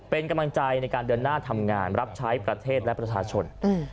เป็นกำลังใจในการเดินหน้าทำงานรับใช้ประเทศและประชาชน